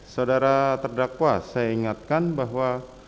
saudara terdakwa saya ingatkan bahwa